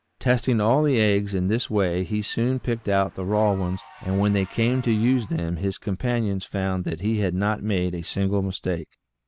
Testing all the eggs in this way he soon picked out the raw ones, and when they came to use them his companions found that he had not made a single mistake.